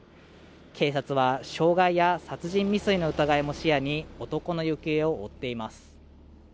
警察は傷害や殺人未遂の疑いも視野に男の行方を追っています